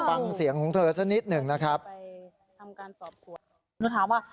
ฟังเสียงของเธอสักนิดหนึ่งนะครับไปทำการสอบสวนหนูถามว่า